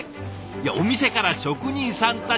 いやお店から職人さんたちを丸ごと。